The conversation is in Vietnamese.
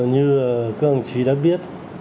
như các đồng chí đã biết